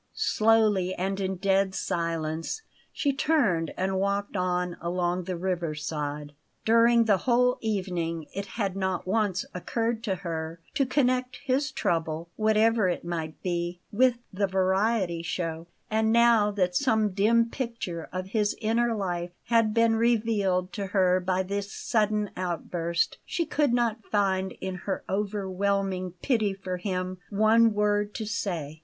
Slowly and in dead silence she turned and walked on along the river side. During the whole evening it had not once occurred to her to connect his trouble, whatever it might be, with the variety show; and now that some dim picture of his inner life had been revealed to her by this sudden outburst, she could not find, in her overwhelming pity for him, one word to say.